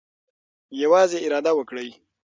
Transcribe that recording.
یوازې اراده وکړئ.